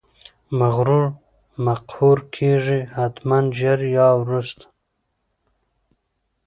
مغرور مقهور کیږي، حتمأ ژر یا وروسته!